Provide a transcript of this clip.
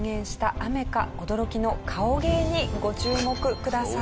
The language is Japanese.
驚きの顔芸にご注目ください。